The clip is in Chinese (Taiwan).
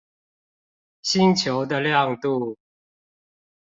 星球的亮度